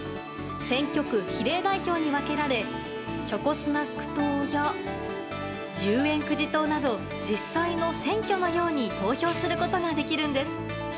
選挙区、比例代表に分けられチョコスナック党や１０円くじ党など実際の選挙のように投票することができるんです。